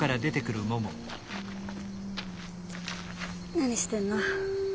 何してんの？